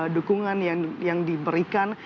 dukungan yang diberikan